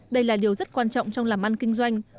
đây là điều rất quan trọng trong làm ăn kinh doanh